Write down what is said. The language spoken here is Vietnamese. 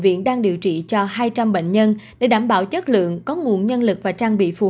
viện đang điều trị cho hai trăm linh bệnh nhân để đảm bảo chất lượng có nguồn nhân lực và trang bị phù